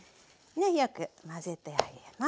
よく混ぜてあげます。